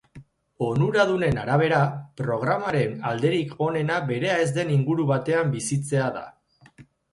Onuradunen arabera, programaren alderik onena berea ez den inguru batean bizitzea da.